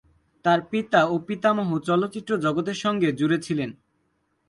তাঁর পিতা ও পিতামহ চলচ্চিত্র জগতের সঙ্গে জুড়ে ছিলেন।